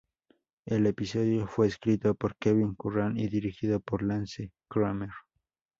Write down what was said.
El episodio fue escrito por Kevin Curran y dirigido por Lance Kramer.